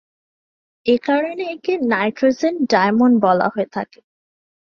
এ কারণে একে "nitrogen diamond" বলা হয়ে থাকে।